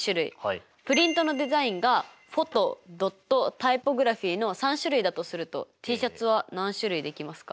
プリントのデザインがフォトドットタイポグラフィの３種類だとするとＴシャツは何種類できますか？